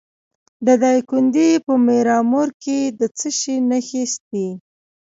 د دایکنډي په میرامور کې د څه شي نښې دي؟